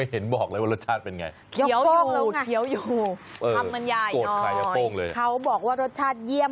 โหมขามนึงมาใหญ่หน่อย